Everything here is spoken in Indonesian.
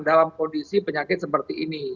dalam kondisi penyakit seperti ini